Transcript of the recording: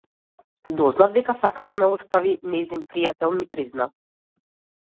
Дознав дека сака да ме остави, нејзин пријател ми призна.